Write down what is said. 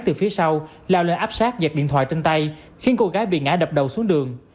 từ phía sau lao lên áp sát giật điện thoại trên tay khiến cô gái bị ngã đập đầu xuống đường